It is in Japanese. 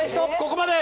ここまで！